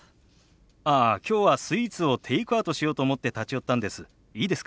ああきょうはスイーツをテイクアウトしようと思って立ち寄ったんです。